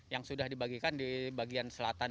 yang sudah dibagikan di bagian selatan